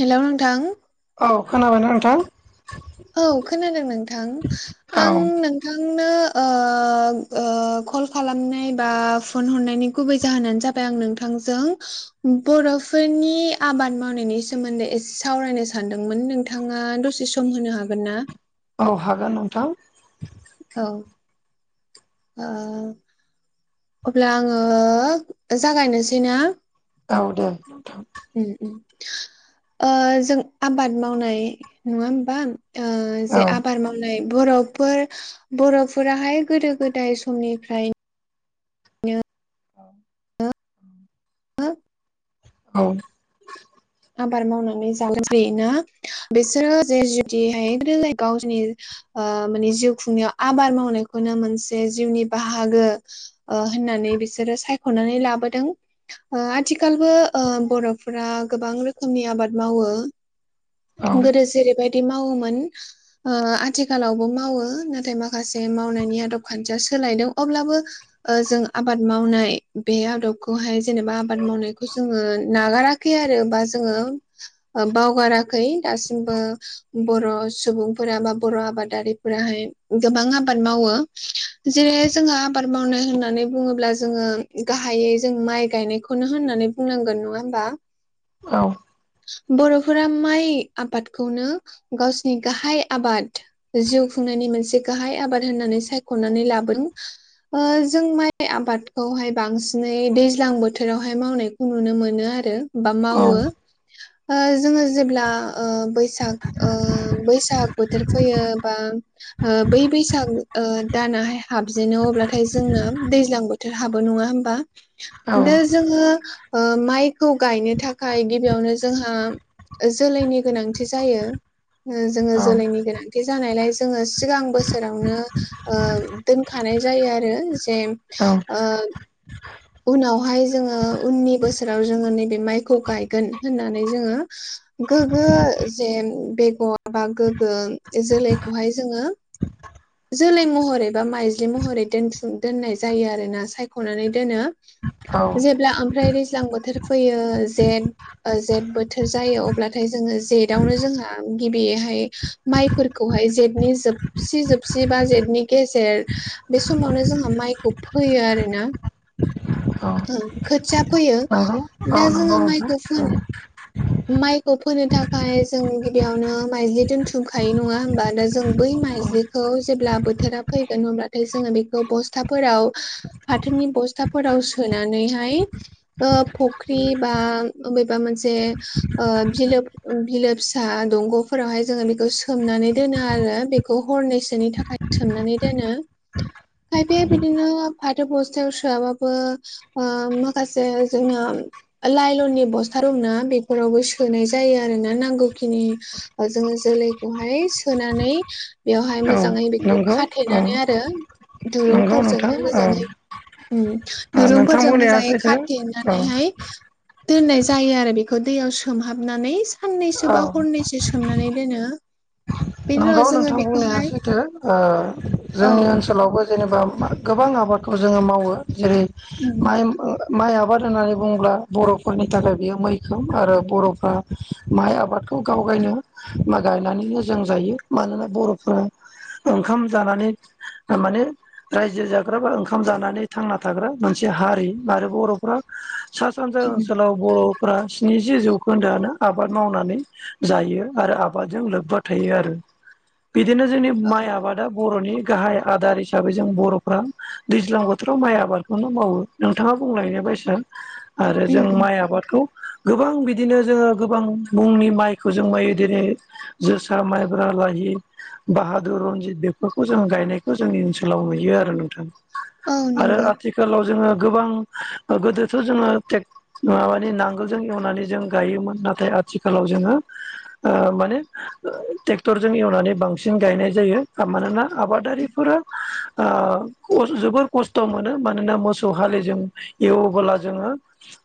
हेल' नोंथां औ खोनाबायना नोंथां औ खोनादों नोंथां औ आं नों थांनो ओ ओ कल खालामनाय बा फन हरनायनि गुबै जाहोनानो जा बाय आं नोंथांजों बर'फोरनि आबाद मावनायनि सोमोन्दै एसे सावरायनो सानदोंमोन नोंथाङा दसे सम होनो हागोन ना औ हागोन नोंथां। औ ओ अब्ला आङो जागायनोसै ना औ दे नोंथां उम उम ओ जों आबाद मावनाय नङा होमबा ओ औ जे आबार माव नाय बर'फोर बर'फोरहाय गोदो गोदाय समनिफ्राय नो औ उम ओ औ आबाद मावनानै जालां ना बिसोरो जे जुदिहाय [unintelligible] गावनि ओ माने जिउ खुंनायाव आबाद मावनायखौनो मोनसे जिउनि बाहागो ओ होननानै बिसोरो सायख'नानै लाबोदों। ओ आथिखालबो ओ बर'फोरा गोबां रोखोमनि आबाद मावो औ गोदो जेरैबायदि मावोमोन ओ आथिखालावबो मावो नाथाय माखासे मावनायनि आदब खान्थिया सोलायदों अब्लाबो ओ जों आबाद मावनाय बे आदबखौहाय जेनेबा आबाद मावनायखौ जोङो नागाराखै आरो बा जोङो बावगाराखै दासिमबो बर' सुबुंफोरा बा बर' आबादारिफोराहाय गोबां आबाद मावो। जे जोंङो आबाद मावनाय होननानै बुङोब्ला जोङो गाहायै जों माइ गायनायखौनो होननानै बुंनांगोन नङा होमबा औ बर'फोरा माइ आबादखौनो गावसिनि गाहाय आबाद जिउ खुंनायनि मोनसे गाहाय आबाद होननानै सायख'नानै लाबोदों। ओ जों माइ आबादखौहाय बांसिनै दैज्लां बोथोरावहाय मावनायखौ नुनो मोनो आरो बा औ मावो ओ जोङो जेब्ला ओ बैसाग ओ बैसाग बोथोर फैयो बा ओ बै बैसाग ओ दानाहाय हाबजेनो अब्लाथाय जोंना दैज्लां बोथोर हाबो नङा होमबा औ दा जोङो ओ माइखौ गायनो थाखाय गिबियावनो जोंहा जोलैनि गोनांथि जायो ओ जोङो जोलैनि गोनां बि जानायलाय जोङो सिगां बोसोरावनो ओ दोनखानाय जायो आरो जे ओ उनावहाय जोङो उननि बोसोराव जोङो नैबे माइखौ गायगोन होननानै जोङो गोग्गो जे बेगर बा गोग्गो जोलैखौहाय जोङो जोलै महरै बा माइज्लि महरै दोनथुम दोननाय जायो आरोना सायख'नानै दोनो औ जेब्ला ओमफ्राय दैज्लां बोथोर फैयो जेन ओ जेठ बोथोर जायो अब्लाथाय जोङो जेटावनो जोंहा गिबिहाय माइफोरखौहाय जेठनि जोबसि जोब जि बा जेटनि गेजेर बे समावनो जोंहा माइखौ फोयो आरो ना औ ओं खोथिया फोयो। नंगौ औ दा नंगौ जोङो नोंथां माइखौ फोन औ माइखौ फोनो थाखाय जों गिबियावनो माइज्लि दोनथुमखायो नङा होमबा दा जों बै माइज्लि खौ जेब्ला बोथोरा फैगोन अब्लाथाय जोङो बेखौ बस्थाफोराव फाथोनि बस्थाफोराव सोनानैहाय ओ फुख्रि बा बबेबा मोनसे ओ बिलो बिलो फिसा दंग'फोरावहाय जोङो बेखौ सोमनानै दोनो आरो बे खौ हरनैसोनि थाखाय सोमनानै दोनो खायफाया बिदिनो फाथो बस्थायाव सोआबाबो ओ माखासे जोंना लाइलननि बस्था दंना बे फोरावबो सोनाय जायो आरो ना। नांगौखिनि ओ जोङो जोलैखौहाय सोनानै बेवहाय नोंथां औ मोजाङै बेखौ नंगौ औ खाथेनानै आरो नंगौ नोंथां दुरुंफोरजोंहाय औ मोजाङै नोंथां दुरुंफोरजों बुंनाया मोजाङै सैथो औ खाथेनानैहाय दोननाय जायो आरो बे खौ दैयाव सोमहाबनानै साननैसो औ बा हरनैसो सोमनानै दोनो। बेनि उनाव नंगौ जोङो नोंथां बुंनाया बेखौहाय सैथो ओ औ जोंनि ओनसोलावबो जेनेबा गोबां आबादखौ जोङो मावो जेरै उम माइ ओ माइ आबाद होननानै बुङोब्ला बर'फोरनि थाखाय बियो मैखोम आरो बर'फ्रा माइ आबादखौ गाव गायनो बा गायनानै जों जायो मानोना बर'फ्रा ओंखाम जानानै थारमाने रायजो जाग्रा बा ओंखाम जानानै थांना थाग्रा मोनसे हारि आरो बर'फ्रा सा सानजा उम ओनसोलाव बर'फ स्निजि जौखोन्दोआनो आबाद मावनानै जायो आरो आबादजों लोब्बा थायो आरो। बिदिनो जोंनि औ माइ आबाद दा बर'नि गाहाय आदार हिसाबै जों बर'फ्रा दैज्लां बोथोराव माइ आबादखौनो मावो। नोंथाङा बुंलायनो बायसार आरो उम जों उम माइ आबादखौ गोबां बिदिनो जोङो गोबां मुंनि माइखौ जों गायो दिनै जोसा माइब्रा ल बाहादुर रनजित बेफोरखौ जों गायनायखौ जोंनि ओनसोलाव नुयो आरो नोंथां। औ आरो नंगौ आथिखालाव जोङो गोबां गोदोथ' जोङो टेक माबानि नांगोलजों एवनानै जों गायोमोन नाथाय आथिखालाव जोङो ओ माने ट्रेक्टर जों एवनानै बांसिन गायनाय जायो मानोना आबादारिफोरा ओ जोबोर खस्थ' मोनो मानोना मोसौ हाललि जों एवबोला जोङो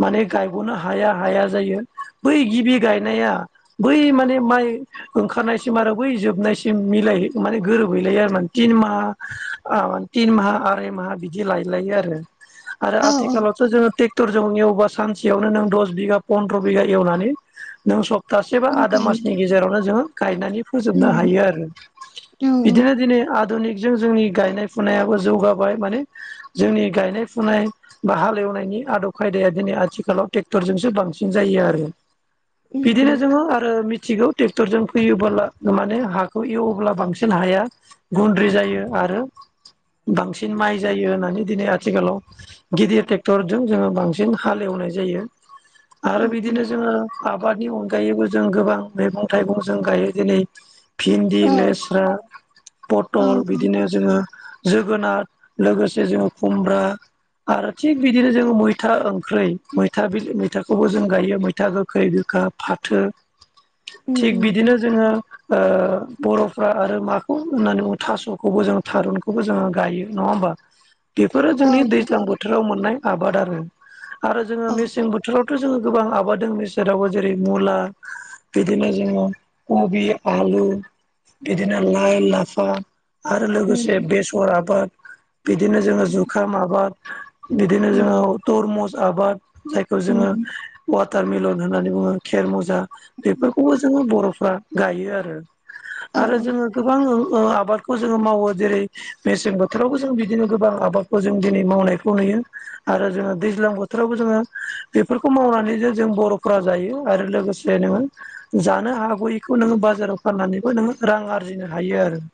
माने गायब'नो हाया हाया जायो बै गिबि गायनाया बै माने माइ ओंखारनाय सिम बै जोबनायसिम मिलायहै माने गोरोबहैला आरो तिन माह आ तिन माहा आराय माहा बिदि लायलायो आरो। [unintelligible] आरो औ आथिखालावथ' जोङोे टेख टर जों एवबा सानसेयावनो नों दस बिघा फन्द्र' बिघा एवनानै नों सब टासेबा बिफां आदा मासनि गायनाय गेजेरावनो जोङो गायनानै फोजोबनो उम हायो आरो औ बिदिनो दिनै आद आधुनिकजों जोंनि गायनाय फुनायाबो जौगाबाय माने जोंनि गायनाय फुनाय बा हालेवनायनि आदब खायदाया दिनै आथिखालाव ट्रेक्टरजोंसो बांसिन जायो आरो। उम बिदिनो उम जोङो आरो मिथिगौ टेक्टरजों फैयोबोला माने हाखौ एवोब्ला बांसिन हाया गुन्द्रि जायो आरो बांसिन माइ जायो होननानै दिनै आथिखालाव गिदिर ट्रेक्टरजों जोङो बांसिन हालेवनाय जायो। आरो उम उम बिदिनो जोङो आबादनि अनगायैबो जों गोबां मैगं थाइगं जों गायो दिनै भिन्दि औ लेस्रा औ पटल बिदिनो जोङो जोगोनार लोगोसे जोङो खुमब्रा आरो थिग बिदिनो जोङो मैथा ओंख्रै मैथा मैथाखौबो जों गायो मैथा गोखै गोखा। फाथो उम थिग उम बिदिनो जोङो बर'फ्रा आरो माखौ होननानै बुङो थास'खौबो जों थारुनखौबो जोङो गायो नङबा बेफोरो औ जोंनि नंगौ दैज्लां बोथोराव मोननाय आबाद आरो आरो जोङो औ मेसें बोथोर बोथोरावथ' जोङो गोबां आबाद द बे सेराव जेरै मुला बिदिनो जोङो कबि आलु बिदिनो लाइ लाफा आरो उम लोगोसे बेस फर आबाद बिदिनो जोङो जुखाम आबाद बिदिनो उम जोङो तरमुस आबाद जायखौ उम जोङो उम वाटारमेलन होननानै बुङो खेर मुजा बेफोरखौबो जोङो बर'फ्रा गायो आरो औ आरो जोङो गोबां आबादखौ जोङो मावो जेरै मेसें बोथोरावबो जों बिदिनो गोबां आबाद खौ जों दिनै मावनायखौ नुयो आरो जोङो दैज्लां बोथोरावबो जोङो बेफोरखौ मावनानै जे जों बर'फोरा जायो आरो लोगोसे ज नोङो जानो हागौयैखौ नोङो ब बाजाराव फाननानैबो नोङो रां आरजिनो हायो आरो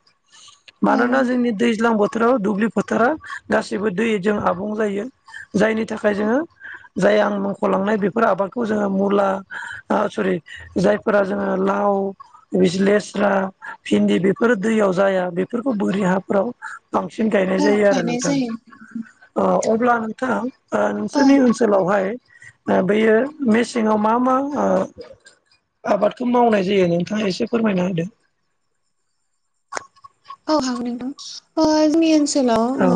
औ मानोना औ जोंनि दैज्लां बोथोराव दुब्लि फोथारा गासैबो दैजों आबुं जायो जायनि थाखाय जोङो जाय आं मुंख'लांनाय बेफोर आबादखौ जोङो मुला सरि जायफोरा जोङो लाव लेस्रा भिन्दि बेफोरो दैयाव जाया बेफोरखौ बोरि हाफोराव बांसिन गायनाय औ जायो आरो गायनाय नोंथां जायो अब्ला नोंथां औ नोंसोरनि ओनसोलावहाय बेयो मेसेङाव मा मा आबादखौ मावनाय जायो नों नोंथा ङा एसे फोरमायना होदों औ हाग नदां जोंनि ओनसोलाव औ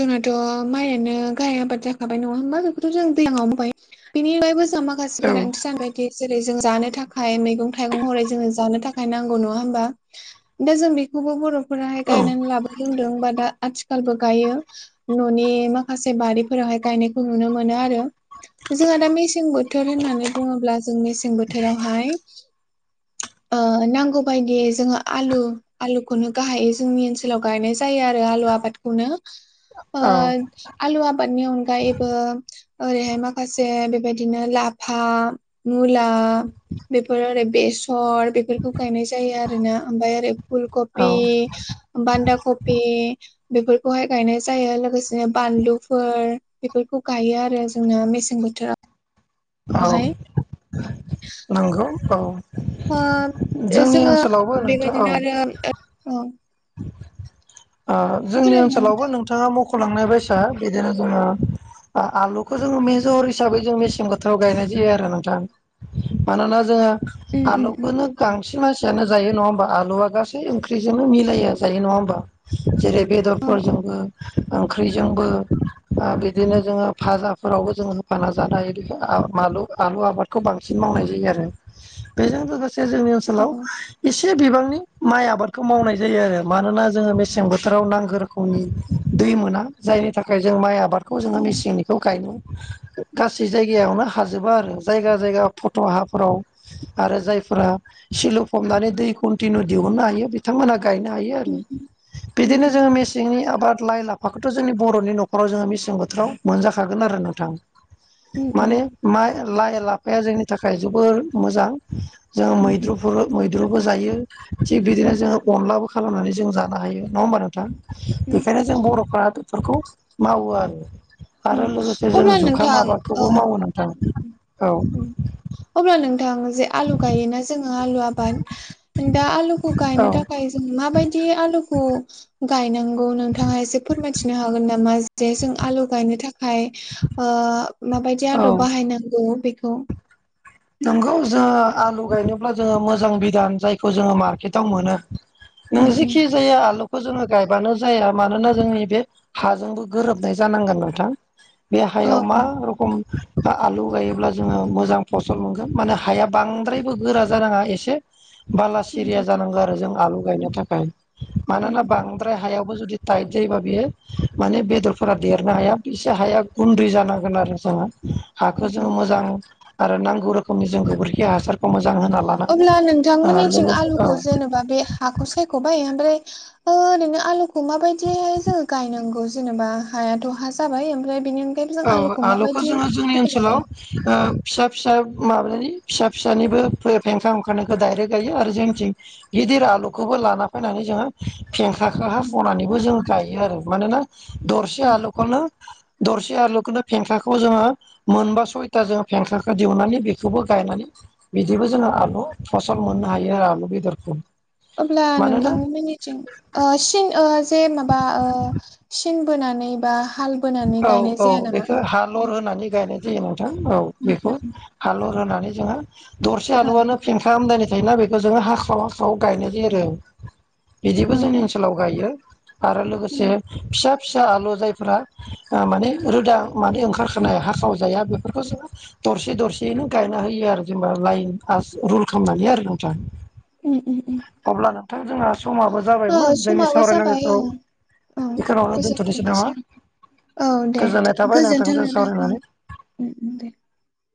जोंनाथ' माइयानो गाहाय आबाद जाखाबाय नङा होमबा बेखौथ' जों दैङआव होनबाय बिनिबो जोंहा माखासे औ गोनांथि सानबाय बिदि जेरै जों जानो थाखाय मैगं थाइगं हरै जोङो जानो थाखाय नांगौ नङा होमबा दा जों बेखौबो बर'फोराहाय गायनानै लाबो रोंदों बा दा आथिखालबो गायो न'नि माखासे बारिफोरावहाय गायनायखौ नुनो मोनो आरो जोंहा दा मेसें बोथोर होननानै बुङोब्ला जों मेसें बोथोरावहाय नांगौ बायदियै जोङो आलु आलुखौनो गाहायै जोंनि ओनसोलाव गायनाय जायो आरो आलुआ खौनो औ आलुवा बनि ए ओरैहाय माखासे बेबायदिनो लाफा मुला बेबहार आरो बेस सट बेफोरखौ गायनाय जायो आरो ना ओमफ्राय आरोरै फुल कबि बान्दा कफ बेफोरखौहाय गायनाय जायो लोगोसेनो बानलुफोर बेफोरखौ गायो आरो जोंना मेसें बोथोराव औ नंगौ औ जोंनि जोङो ओनसोलावबो नोंथां औ बेबायदिनो ओ आरो जोंनि खोनादोंना ओनसोलावबो नोंथां नोंथाङा मख औ उम सलांनाय बैसआ बिदिनो जोङो आलुखौ जोङो मेजजर हिसाबै जों मेसें बोथोराव गायनाय जायो आरो नोंथां मानोना जों उम उम आलुखौनो गांसे मानसियानो जायो नङा होमबा आलुआ गासै ओंख्रिजोंनो मिलि [unintelligible] नङा होमबा जेरै औ बेदरफोरजोंबो ओंख्रिजोंबो बिदिनो जोङो फाजाफोरावबो जोंङो होफाना जानो हायो बेखौ मालु आलु आबादखौ बांसिन मावनाय जायो आरो। बेजों लोगोसे जोंनि औ ओनसोलाव एसे बिबांनि माइ आबादखौ मावनाय जायो आरो मानोना जोङो मेसें बोथोराव नांगौ रोखोमनि दै मोना जायनि थाखाय जों माइ आबाद खौ औ जोङो मेसेंनिखौ गायनो गासै जायगायावनो हाजोबा आरो जायगा जायगा फट' हाफोराव आरो जायफोरा सिलु फबनानै दै कन्टिनिउ दिहुननो हायो बिथांमोना गायनो हायो आरो। उम बिदिनो उम जोंङो मेसेंनि आबाद लाइ ला [unintelligible] जोंनि बर'नि नखराव जोङो मेसें बोथोराव मोनजाखागोन आरो नोंथां उम माने माइ लाइ लाफाया जोंनि थाखाय जोबोर मोजां जों उम उम मैद्रु मैद्रुबो जायो थिग बिदिनो उम जोंङो अनलाबो खालामनानै जों जानो हायो। नंङा होमबा नोंथांनिसिम? उम बेखायनो जों बर'फ्रा बेफोरखौ मावो आरो। ओ आरो लोगोसे जों अब्ला जुखाम नोंथां औ आबादखौबो मावो नोंथां। औ अब्ला नोंथां जे आलु गायोना जोंङो आलु आबाद दा आलुखौ औ गायनो थाखाय जों माबायदि आलुखौ गायनांगौ नोंथांङा एसे फोरमायथिनो हागोन नामा? जे जों आलु गायनो थाखाय ओ माबायदि औ आदब बाहायनांगौ बेखौ। नोंगौ जोंङो आलु गायनोब्ला जोंङो मोजां बिधान जायखौ जोंङो मार्केटाव मोनो। नों उम उम जेखि जाया आलुखौ जोंङो गायबानो जाया मानोना जोंनि बे हाजोंबो गोरोबनाय जानांगोन नोंथां। बे औ हायाव मा औ रोखोम आलु गायोब्ला जोंङो मोजां फसल मोनगोन माने हाया बांद्रायबो गोरा जानांङा एसे बाला सिरिया जानांगौ आरो जों आलु गायनो थाखाय। उम मानोना बांद्राय हायावबो जुदि थाइट जायोबा बेयो माने बेदरफोरा देरनो हाया एसे हाया गुन्दै जानांगोन आरो जोंहा। हाखौ उम जों मोजां आरो नांगौ रोखोमनि जों गोबोरखि हासारखौ मोजां होना अब्ला लानांगोन नोंथांमोननिथिं लोगोसे औ आलुखौ जेनेबा बे हाखौ सायख' [unintelligible] ओमफ्राय ओरैनो आलुखौ माबायदिहाय जोङो गायनांगौ जेनेबा हायाथ' हा जाबाय ओमफ्राय बिनि औ आलुखौ जोंङो जोंनि ओनसोलाव ओ फिसा फिसा माबानि फिसा फिसानिबो फेंखा ओंखारनायखौ दायरेक्ट गायो आरो जोंथिं गिदिर आलुखौबो लाना फायनानै जोंङो फेंखाखौ हास'नानैबो जों गायो आरो मानोना दरसे उम आलुखौनो दरसे बिदि आलुखौनो फेंखाखौ जोंङो मोनबा सयथा जों फेंखाखौ दिहुननानै बेखौबो गायनानै बिदिबो जोंङो आलु फसल मोननो हायो आरो आलु बेदरखौ। अब्ला मानोना नोंथां मोननिथिं ओ सिन जे माबा ओ सिन बोनानै बा हाल बोनानै औ गायनाय औ जाया नामा? बेखौ हालर होनानै गायनाय जायो नोंथां औ बेखौ हालर होनानै जोंङो दरसे औ आलुआनो फेंखा आमदानि थायोना बेखौ जोंङो हाखाव हाखाव गायनाय जायो आरो बिदिबो औ जोंङो सोलाव गायो आरो लोगोसे फिसा फिसा आलु जायफोरा आ माने रोदा माने ओंखारखानाय हाखाव जाया बेफोरखौ जोंङो दरसे दरसेयैनो गायना होयो आरो जेनेबा लाइन आस रुल खालामनानै आरो नोंथां। उम उम उम अब्ला नोंथां जोंहा समाबो औ जाबायमोन जोंनि समाबो जाबाय सावरायनांगौखौ औ औ बेखिनावनो दोनथ'नोसै नामा? फोजोबथ'नोसै औ दे दे गोजोननाय थाबाय गोजोनथों नोंथांजों नोंथां सावरायनानै। उम उम दे।